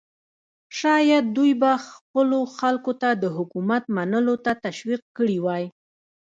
شاید دوی به خپلو خلکو ته د حکومت منلو ته تشویق کړي وای.